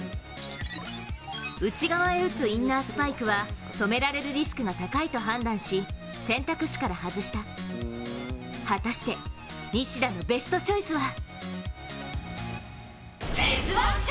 内側へ打つインナースパイクは止められるリスクが高いと判断し選択肢から外した果たして、西田のベストチョイスは。